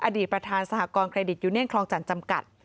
อดีตประธานสหกรณเครดิตยูเนียนคลองจันทร์จำกัด